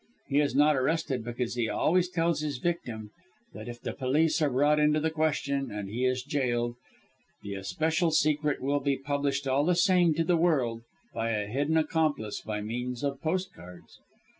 He is not arrested because he always tells his victim that if the police are brought into the question, and he is jailed, the especial secret will be published all the same to the world by a hidden accomplice by means of postcards.